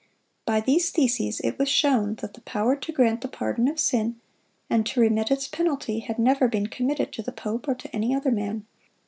By these theses it was shown that the power to grant the pardon of sin, and to remit its penalty, had never been committed to the pope or to any other man.